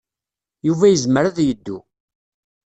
Yuba yezmer ad yeddu.